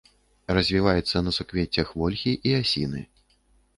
Развіваецца на суквеццях вольхі і асіны.